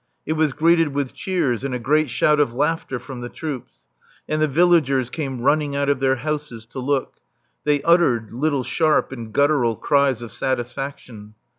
It was greeted with cheers and a great shout of laughter from the troops; and the villagers came running out of their houses to look; they uttered little sharp and guttural cries of satisfaction.